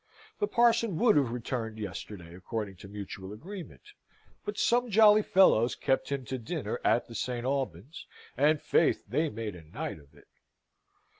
The parson would have returned yesterday according to mutual agreement, but some jolly fellows kept him to dinner at the St. Alban's, and, faith, they made a night of it.